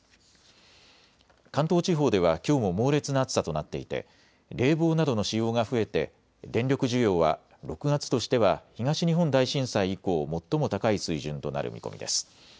関東地方ではきょうも猛烈な暑さとなっていて冷房などの使用が増えて電力需要は６月としては東日本大震災以降、最も高い水準となる見込みです。